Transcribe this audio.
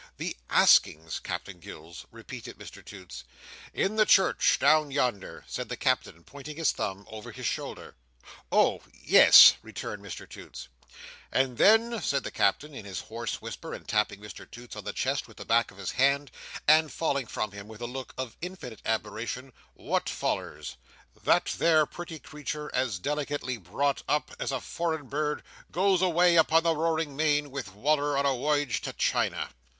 "The askings, Captain Gills!" repeated Mr Toots. "In the church, down yonder," said the Captain, pointing his thumb over his shoulder. "Oh! Yes!" returned Mr Toots. "And then," said the Captain, in his hoarse whisper, and tapping Mr Toots on the chest with the back of his hand, and falling from him with a look of infinite admiration, "what follers? That there pretty creetur, as delicately brought up as a foreign bird, goes away upon the roaring main with Wal"r on a woyage to China!"